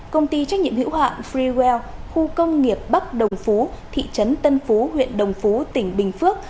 công ty trách nhiệm hữu hạn frewell khu công nghiệp bắc đồng phú thị trấn tân phú huyện đồng phú tỉnh bình phước